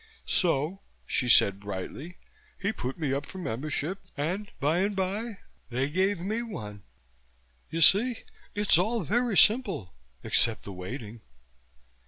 "So," she said brightly, "he put me up for membership and by and by they gave me one. You see? It's all very simple, except the waiting."